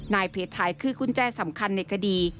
เพจไทยคือกุญแจสำคัญในคดี